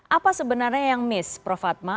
apa sebenarnya yang miss prof fatma